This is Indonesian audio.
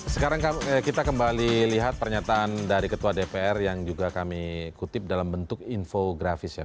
sekarang kita kembali lihat pernyataan dari ketua dpr yang juga kami kutip dalam bentuk infografis ya